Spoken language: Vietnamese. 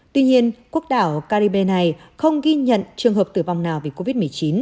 tuy nhiên quốc đảo caribe này không ghi nhận trường hợp tử vong nào vì covid một mươi chín